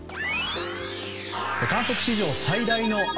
観測史上最大の雨。